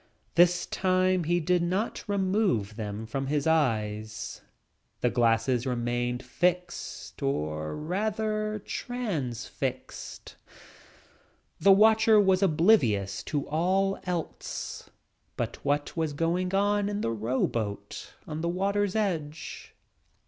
This time he did not re move them from his eyes. The glasses fixed or rather transfixed. The watcher was obliv ious to all else but what was going on in the row on the water's edge.